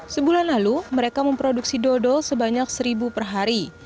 sebulan lalu mereka memproduksi dodol sebanyak seribu per hari